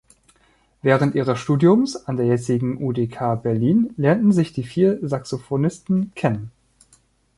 Während ihres Studiums an der jetzigen UdK Berlin lernten sich die vier Saxophonisten kennen.